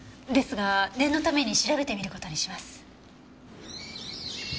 ですが念のために調べてみる事にします。